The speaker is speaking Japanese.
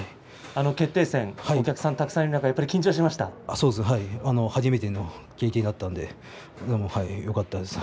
決定戦、お客さんたくさんいる中で初めての経験でしたのでよかったと思います。